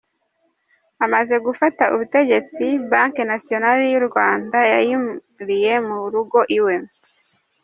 amaze gufata ubutegetsi banque nationali y’Urwanda yayimuliye mu rugo iwe.